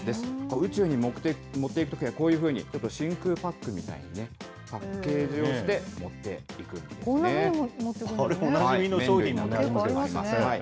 宇宙に持っていくときは、こういうふうにちょっと真空パックみたいにね、パッケージをして持ってこんなふうに持っていくんでおなじみの商品も。